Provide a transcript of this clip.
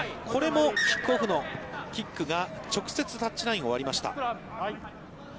これもキックオフのキックが直接タッチラインを割りました。